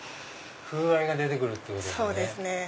風合いが出て来るっていうことですね。